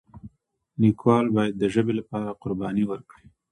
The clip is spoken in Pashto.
لیکوال باید د ژبې لپاره قرباني ورکړي.